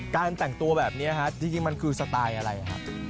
แต่งตัวแบบนี้ฮะจริงมันคือสไตล์อะไรครับ